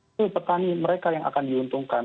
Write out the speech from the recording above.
itu petani mereka yang akan diuntungkan